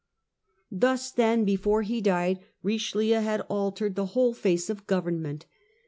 Thus, then, before he died, Richelieu had altered the whole face of government.